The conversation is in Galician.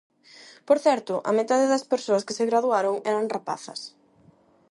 Por certo, a metade das persoas que se graduaron eran rapazas.